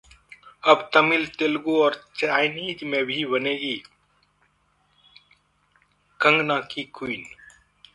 अब तमिल, तेलुगु और चाइनीज में भी बनेगी कंगना की 'क्वीन'